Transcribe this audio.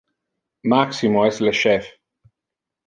Maximo es le chef.